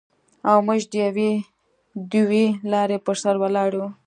او موږ د یوې دوې لارې پر سر ولاړ یو.